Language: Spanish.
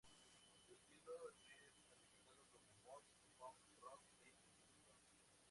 Su estilo es calificado como "mod," punk rock e indie rock.